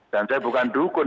dan saya bukan dukun